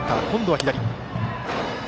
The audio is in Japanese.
今度は左。